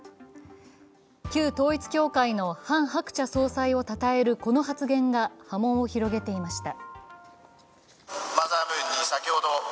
旧統一教会のハン・ハクチャ総裁をたたえるこの発言が波紋を広げていました。